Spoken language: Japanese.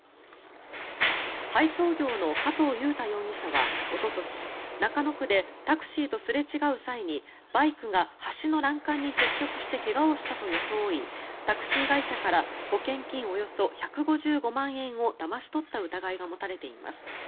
配送業の加藤雄太容疑者はおととし中野区でタクシーとすれ違う際にバイクが橋の欄干に接触して怪我をしたと装いタクシー会社から保険金およそ１５５万円をだまし取った疑いが持たれています。